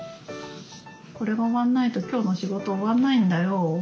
これが終わんないと今日の仕事終わんないんだよ。